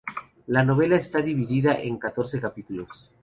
La novela está dividida en catorce capítulos.